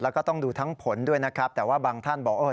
แล้วก็ต้องดูทั้งผลด้วยนะครับแต่ว่าบางท่านบอกเออ